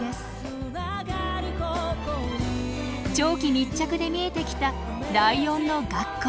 長期密着で見えてきたライオンの学校。